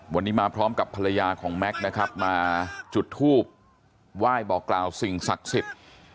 วันนี้มาพร้อมกับภรรยาของแม็กซ์นะครับมาจุดทูบไหว้บอกกล่าวสิ่งศักดิ์สิทธิ์